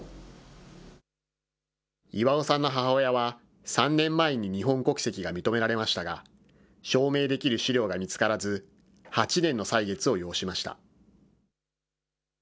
イワオさんの母親は、３年前に日本国籍が認められましたが、証明できる資料が見つからず、８年の歳月を要しました。